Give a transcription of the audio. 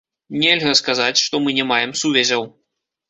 Нельга сказаць, што мы не маем сувязяў.